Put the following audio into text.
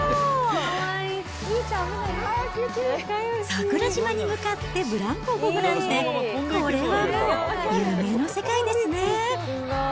桜島に向かってブランコをこぐなんて、これはもう、夢の世界ですね。